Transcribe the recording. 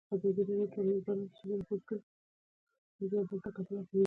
ډېرو ضربې وخوړې